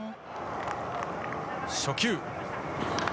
初球。